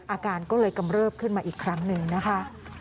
อาการก็เลยกำเริบขึ้นมาอีกครั้งหนึ่งนะคะ